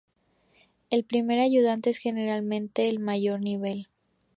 El "primer ayudante" es generalmente el de mayor nivel.